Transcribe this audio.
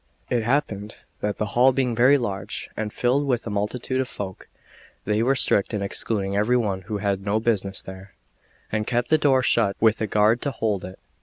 It happened that the hall being very large, and filled with a multitude of folk, they were strict in excluding every one who had no business there, and kept the door shut with a guard to hold it.